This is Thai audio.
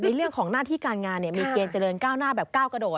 เรื่องของหน้าที่การงานมีเกณฑ์เจริญก้าวหน้าแบบก้าวกระโดด